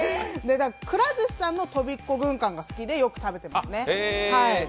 くら寿司さんのとびこ軍艦が好きでよく食べてますね。